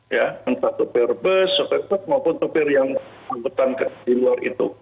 ya entah sopir bus maupun sopir yang kelihatan di luar itu